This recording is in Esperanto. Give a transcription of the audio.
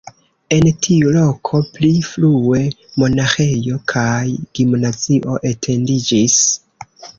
En tiu loko pli frue monaĥejo kaj gimnazio etendiĝis.